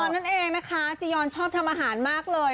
นั่นเองนะคะจียอนชอบทำอาหารมากเลย